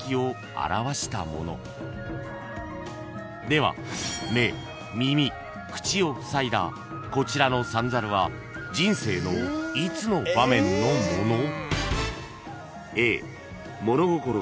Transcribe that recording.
［では目耳口をふさいだこちらの三猿は人生のいつの場面のもの？］